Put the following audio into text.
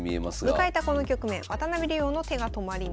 迎えたこの局面渡辺竜王の手が止まります。